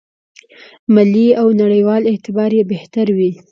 ملي او نړېوال اعتبار یې بهتر وي.